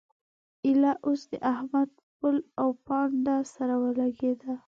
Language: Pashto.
ايله اوس د احمد پل او پونده سره ولګېده.